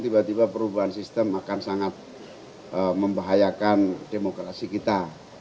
tiba tiba perubahan sistem akan sangat membahayakan demokrasi kita